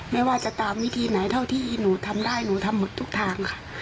ไม่ว่าจะตามวิธีไหนเท่าที่หนูทำได้หนูทำหมดทุกทางค่ะ